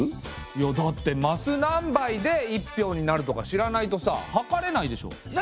いやだってマスなんばいで一俵になるとか知らないとさ量れないでしょ？